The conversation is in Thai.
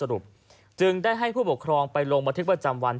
รุปจึงได้ให้ผู้ปกครองไปลงบันทึกประจำวัน